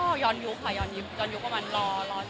ก็ยนต์ยุคค่ะยนต์ยุคยว่ามันรอเซ็ทต้อไป